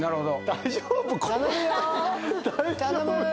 大丈夫か？